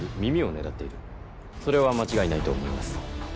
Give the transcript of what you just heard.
それは間違いないと思います。